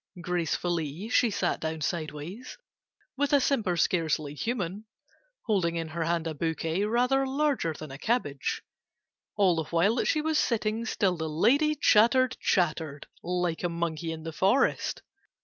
Gracefully she sat down sideways, With a simper scarcely human, Holding in her hand a bouquet Rather larger than a cabbage. All the while that she was sitting, Still the lady chattered, chattered, Like a monkey in the forest.